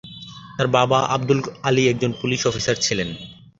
তার বাবা আব্দুল আলি একজন পুলিশ অফিসার ছিলেন।